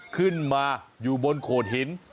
ขึ้นมาอยู่บนโขดหิน